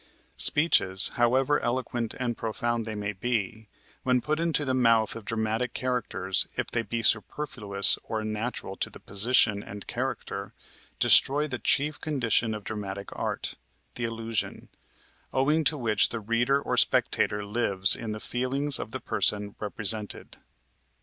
Speeches, however eloquent and profound they may be, when put into the mouth of dramatic characters, if they be superfluous or unnatural to the position and character, destroy the chief condition of dramatic art the illusion, owing to which the reader or spectator lives in the feelings of the persons represented.